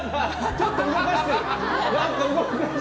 ちょっと動かしてる！